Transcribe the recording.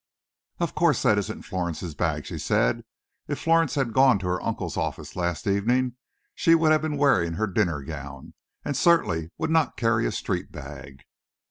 "Of course that isn't Florence's bag," she said; "if Florence had gone to her uncle's office last evening, she would have been wearing her dinner gown, and certainly would not carry a street bag."